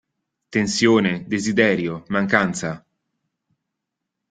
Tensione, desiderio, mancanza.